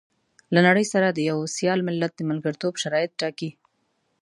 له نړۍ سره د يوه سيال ملت د ملګرتوب شرايط ټاکي.